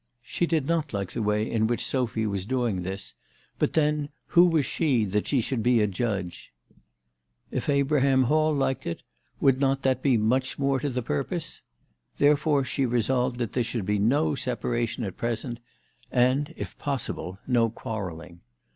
She did not like the way in which Sophy was doing this ; but then, who 282 THE TELEGRAPH GIRL. was she that she should be a judge ? If Abraham Hall liked it, would not that be much more to the purpose ? Therefore she resolved that there should be no separation at present ; and, if possible, no quar relling.